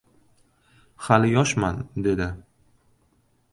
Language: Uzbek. — Hali yoshman, — dedi.